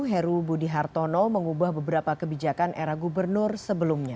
heru budi hartono mengubah beberapa kebijakan era gubernur sebelumnya